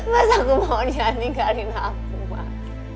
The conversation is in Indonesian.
mas aku mohon jangan tinggalin aku mas